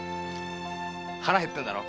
腹へってんだろ？